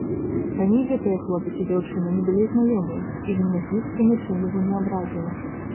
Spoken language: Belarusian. Раней гэтыя хлопец і дзяўчына не былі знаёмыя, і гімназістка нічым яго не абразіла.